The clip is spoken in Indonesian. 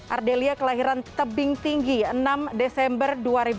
ardelia kelahiran tebing tinggi enam desember dua ribu empat